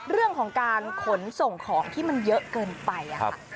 เรื่องของการขนส่งของที่มันเยอะเกินไปค่ะ